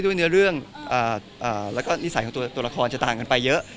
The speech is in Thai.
ว่าเนื้อเรื่องแล้วก็นิสัยของตัวละครจะต่างกันไปเยอะ